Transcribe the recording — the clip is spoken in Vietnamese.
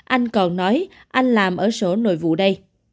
anh còn nói anh làm ở sổ nội vụ đây